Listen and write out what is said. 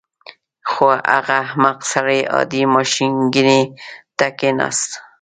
خو هغه احمق سړی عادي ماشینګڼې ته کېناست